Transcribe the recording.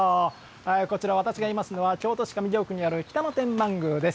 こちら私がいるのは京都市上京区、北野天満宮です。